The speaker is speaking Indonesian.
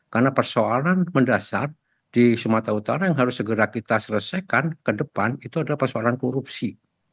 karena persoalan mendasar di sumatera utara yang harus segera kita selesaikan ke depan itu adalah persoalan korupsi